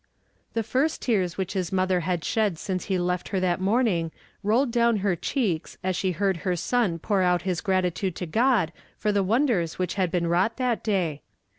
The first teai s which his mother had shed since he left her that morning rolled down her cheeks as she heard her son pour out his gratitude to (iod for the wonders Avhich had been wrought that day.